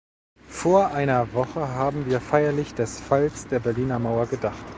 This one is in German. Vor einer Woche haben wir feierlich des Falls der Berliner Mauer gedacht.